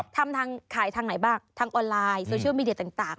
ทำทางขายทางไหนบ้างทางออนไลน์โซเชียลมีเดียต่าง